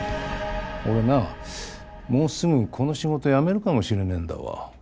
俺なもうすぐこの仕事辞めるかもしれねえんだわ。